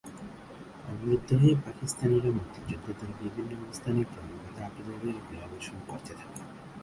অবরুদ্ধ হয়ে পাকিস্তানিরা মুক্তিযোদ্ধাদের বিভিন্ন অবস্থানে ক্রমাগত আর্টিলারির গোলাবর্ষণ করতে থাকে।